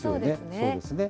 そうですね。